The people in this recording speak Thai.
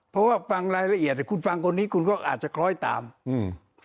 เพราะว่าฟังรายละเอียดอ่ะคุณฟังคนนี้คุณก็อาจจะคล้อยตามอืม